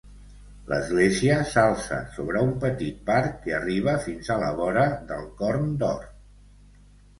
L'església s'alça sobre un petit parc que arriba fins a la vora del Corn d'Or.